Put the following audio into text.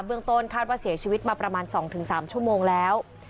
เรื่องต้นคาดว่าเสียชีวิตมาประมาณ๒๓ชั่วโมงแล้ว